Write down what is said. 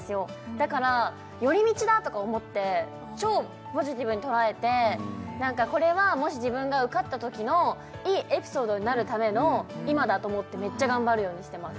だから寄り道だとか思って超ポジティブに捉えて何かこれはもし自分が受かったときのいいエピソードになるための今だと思ってめっちゃ頑張るようにしてます